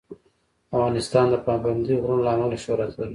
افغانستان د پابندی غرونه له امله شهرت لري.